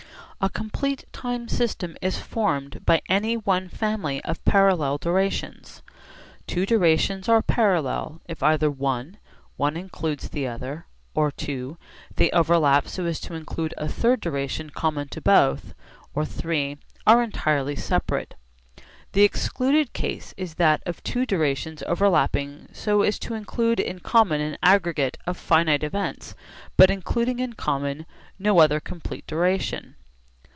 A complete time system is formed by any one family of parallel durations. Two durations are parallel if either (i) one includes the other, or (ii) they overlap so as to include a third duration common to both, or (iii) are entirely separate. The excluded case is that of two durations overlapping so as to include in common an aggregate of finite events but including in common no other complete duration.